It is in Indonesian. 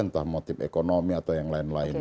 entah motif ekonomi atau yang lain lain